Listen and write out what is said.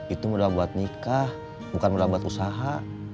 itu mudah buat nikah bukan mudah buat usaha